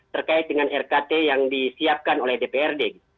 terkait dengan rkt yang disiapkan oleh dprd